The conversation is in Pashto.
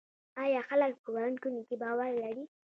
آیا خلک په بانکونو باور لري؟